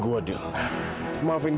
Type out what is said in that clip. ya allah gimana ini